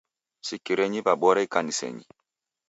Sikirenyi w'abora ikanisenyi.